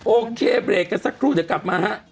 โอเคเดี๋ยวสักครู่เดี๋ยวกลับมา